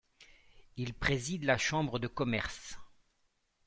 Il préside la Chambre de commerce.